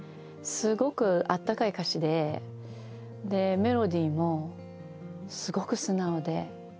すごくあったかい歌詞でメロディーもすごく素直で。